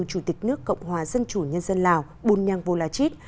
chủ tịch nước cộng hòa dân chủ nhân dân lào bunyang volachit